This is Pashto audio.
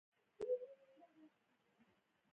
باز د زړورتیا بیان دی